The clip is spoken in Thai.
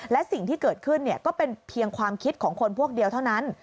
และสิ่งที่เกิดขึ้นก็เป็นเพียงความคิดของคนพวกเดียวเท่านั้น